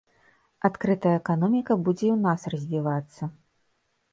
Адкрытая эканоміка будзе і ў нас развівацца.